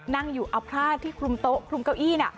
นั่งอยู่เอาผ้าที่คลุมโต๊ะคลุมเก้าอี้น่ะ